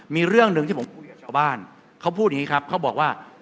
มีเรื่องหนึ่งที่ผมคุยกับชาวบ้านเขาพูดอย่างนี้ครับเขาบอกว่า